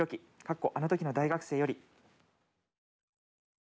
あの時の大学生より。